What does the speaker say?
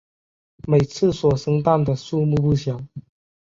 每次所生蛋的数目不详。